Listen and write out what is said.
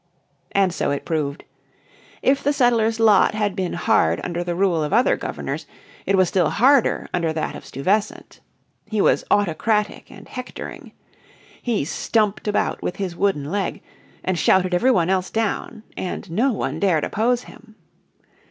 And so it proved. If the settlers' lot had been hard under the rule of other governors, it was still harder under that of Stuyvesant. He was autocratic and hectoring. He stumped about with his wooden leg, and shouted every one else down, and no one dared oppose him.